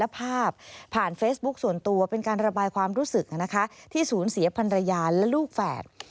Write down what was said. ภาพผ่านเฟซบุ๊คส่วนตัวเป็นการระบายความรู้สึกที่สูญเสียพันรยาและลูกแฝด